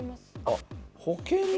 あっ保険の。